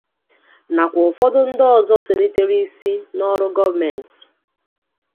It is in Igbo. nakwa ụfọdụ ndị ọzọ selitere isi n'ọrụ gọọmentị.